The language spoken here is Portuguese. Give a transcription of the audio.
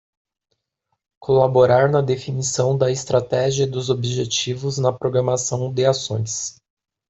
Colaborar na definição da estratégia e dos objetivos na programação de ações.